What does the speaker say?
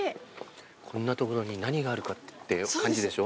こんな所に何があるかって感じでしょ？